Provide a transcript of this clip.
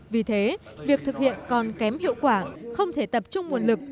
vì thế việc thực hiện còn kém hiệu quả không thể tập trung nguồn lực